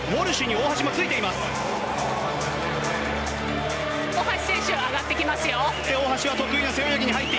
大橋選手上がってきますよ。